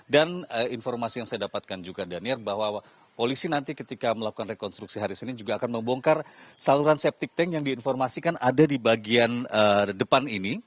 dan informasi yang saya dapatkan juga danir bahwa polisi nanti ketika melakukan rekonstruksi hari senin juga akan membongkar saluran septic tank yang diinformasikan ada di bagian depan ini